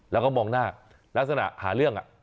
แล้วก็มองหน้าลักษณะหาเรื่อง